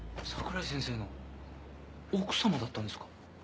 桜井先生の奥様だったんですか。